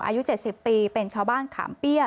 อายุ๗๐ปีเป็นชาวบ้านขามเปี้ย